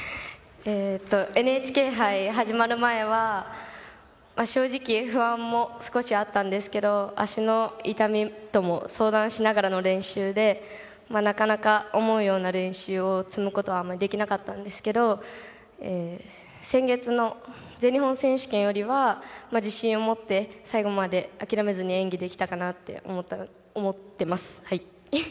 ＮＨＫ杯が始まる前は正直不安も少しあったんですけど足の痛みとも相談しながらの練習でなかなか思うような練習を積むことができなかったんですけど先月の全日本選手権よりは自信を持って最後まで諦めずに演技できたかなと思っています。